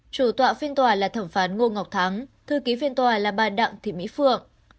chủ tọa phiên tòa là thẩm phán ngô ngọc thắng thư ký phiên tòa là bà đặng thị mỹ phượng